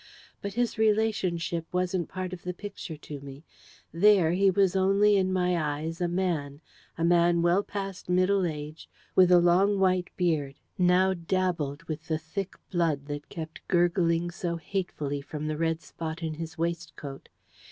But his relationship wasn't part of the Picture to me. There, he was only in my eyes a man a man well past middle age, with a long white beard, now dabbled with the thick blood that kept gurgling so hatefully from the red spot in his waistcoat.